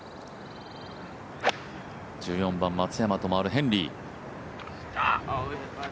１４番、松山と回るヘンリー。